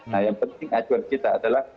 nah yang penting acuan kita adalah